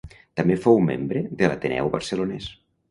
També fou membre de l'Ateneu Barcelonès.